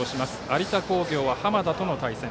有田工業は浜田との対戦。